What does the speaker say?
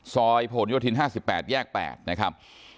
ซอยประหลโยธิน๕๘แยก๘นะครับ